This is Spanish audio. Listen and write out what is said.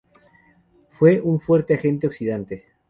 Es un fuerte agente oxidante.